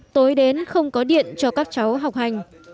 tối đến không có điện cho các cháu học hành